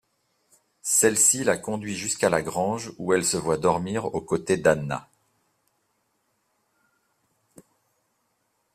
Celle-ci la conduit jusqu'à la grange où elle se voit dormir aux côtés d'Anna.